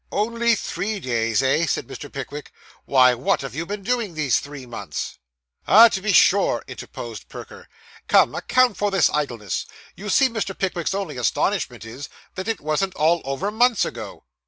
'Only three days, eh?' said Mr. Pickwick. 'Why, what have you been doing these three months?' 'Ah, to be sure!' interposed Perker; 'come, account for this idleness. You see Mr. Pickwick's only astonishment is, that it wasn't all over, months ago.